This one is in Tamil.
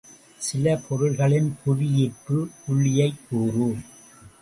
சில பொருள்களின் புவி ஈர்ப்பு புள்ளியைக் கூறு.